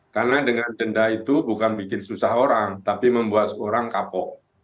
karena dengan denda itu bukan bikin susah orang tapi membuat seorang kapok